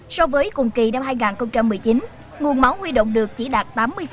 so với cùng kỳ năm hai nghìn một mươi chín nguồn máu huy động được chỉ đạt tám mươi